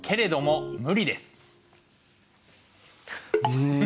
うん。